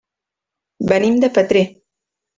Venim de Petrer.